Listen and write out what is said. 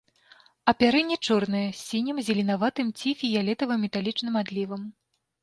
Апярэнне чорнае, з сінім, зеленаватым ці фіялетавым металічным адлівам.